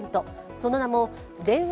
その名も電話